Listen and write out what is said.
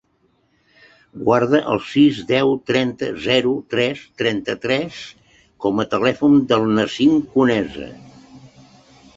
Guarda el sis, deu, trenta, zero, tres, trenta-tres com a telèfon del Nassim Conesa.